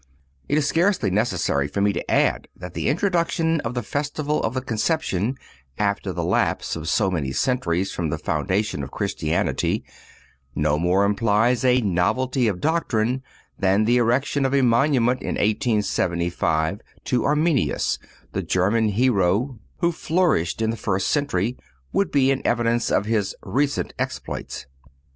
It is scarcely necessary for me to add that the introduction of the festival of the Conception after the lapse of so many centuries from the foundation of Christianity no more implies a novelty of doctrine than the erection of a monument in 1875 to Arminius, the German hero who flourished in the first century, would be an evidence of his recent exploits.